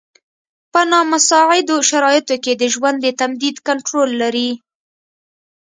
په نامساعدو شرایطو کې د ژوند د تمدید کنټرول لري.